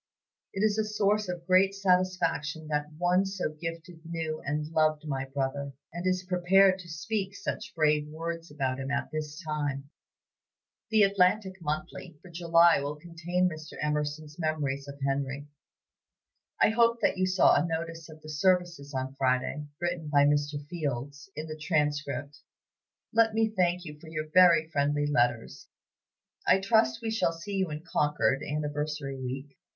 It is a source of great satisfaction that one so gifted knew and loved my brother, and is prepared to speak such brave words about him at this time. The 'Atlantic Monthly' for July will contain Mr. Emerson's memories of Henry. I hope that you saw a notice of the services on Friday, written by Mr. Fields, in the 'Transcript.' "Let me thank you for your very friendly letters. I trust we shall see you in Concord, Anniversary Week.